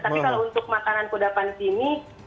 tapi kalau untuk makanan kedepan di sini